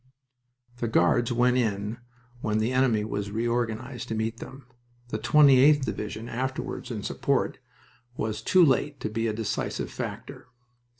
The Guards went in when the enemy was reorganized to meet them. The 28th Division, afterward in support, was too late to be a decisive factor.